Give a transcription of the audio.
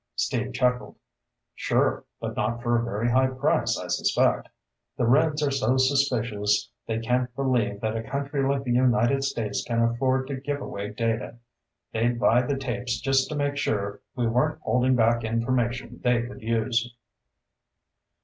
Steve chuckled. "Sure, but not for a very high price, I suspect. The Reds are so suspicious they can't believe that a country like the United States can afford to give away data. They'd buy the tapes just to make sure we weren't holding back information they could use."